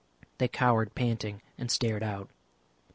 They cowered panting and stared out.